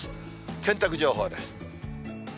洗濯情報です。